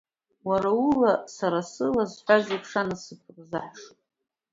Уара ула, сара сыла, зҳәаз иеиԥш анасыԥ рзаҳшоит.